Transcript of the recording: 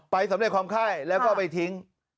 ไปสำเร็จความค่ายแล้วก็ไปทิ้ง